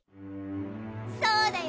そうだよ！